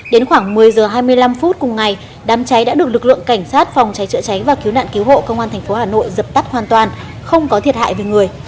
đến khoảng một mươi h hai mươi năm phút cùng ngày đám cháy đã được lực lượng cảnh sát phòng cháy chữa cháy và cứu nạn cứu hộ công an tp hà nội dập tắt hoàn toàn không có thiệt hại về người